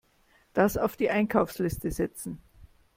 Das auf die Einkaufsliste setzen.